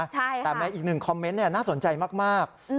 แต่อีก๑คอมเม็นท์น่าสนใจมาก